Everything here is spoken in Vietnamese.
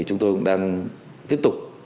chúng tôi cũng đang tiếp tục